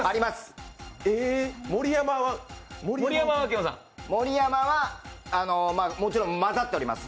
森山はもちろん混ざっております。